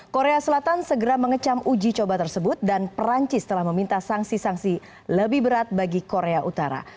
korea selatan segera mengecam uji coba tersebut dan perancis telah meminta sanksi sanksi lebih berat bagi korea utara